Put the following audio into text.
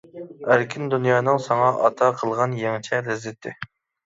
-ئەركىن دۇنيانىڭ ساڭا ئاتا قىلغان يېڭىچە لەززىتى.